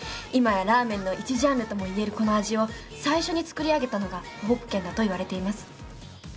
今やラーメンの一ジャンルとも言えるこの味を最初に作り上げたのがホープ軒だといわれています。